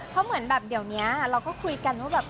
เพราะเหมือนแบบเดี๋ยวนี้เราก็คุยกันว่าแบบ